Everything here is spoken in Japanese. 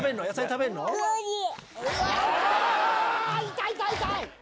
痛い痛い痛い！